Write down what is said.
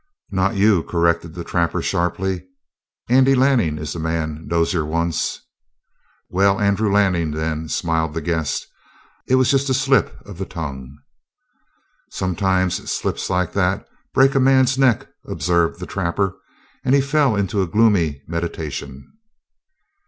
"Not you," corrected the trapper sharply. "Andy Lanning is the man Dozier wants." "Well, Andrew Lanning, then," smiled the guest. "It was just a slip of the tongue." "Sometimes slips like that break a man's neck," observed the trapper, and he fell into a gloomy meditation.